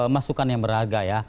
masukan yang berharga ya